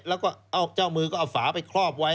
แล้วก็เจ้ามือก็เอาฝาไปครอบไว้